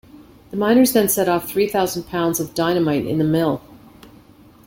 The miners then set off three thousand pounds of dynamite in the mill.